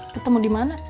ketemu di mana